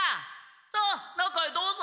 さあ中へどうぞ！